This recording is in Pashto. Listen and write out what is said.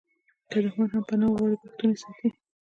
که دښمن هم پنا وغواړي پښتون یې ساتي.